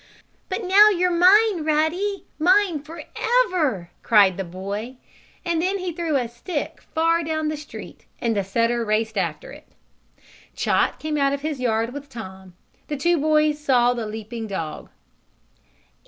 "But now you're mine, Ruddy! Mine forever!" cried the boy, and then he threw a stick far down the street and the setter raced after it. Chot came out of his yard with Tom. The two boys saw the leaping dog.